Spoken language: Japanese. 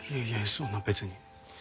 そんな別に。